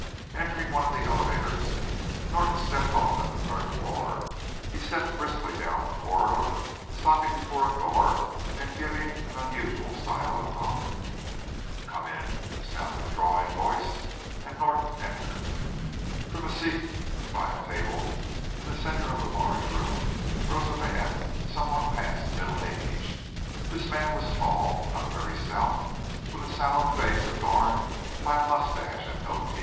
Entering one of the elevators, Norton stepped off at the third floor. He stepped briskly down a corridor, stopping before a door and giving an unusual style of knock. "Come in," sounded a drawling voice, and Norton entered. From a seat by a table, in the center of the large room, rose a man somewhat past middle age This man was tall, not very stout, with a sallow face adorned by a mustache and goatee.